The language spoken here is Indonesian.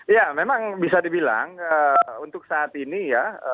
ya memang bisa dibilang untuk saat ini ya